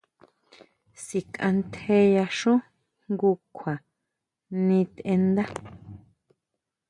Síkʼantjeyaxú jngu kjua niteʼnda.